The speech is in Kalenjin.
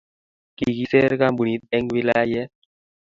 kikiser kampunit eng' wilayet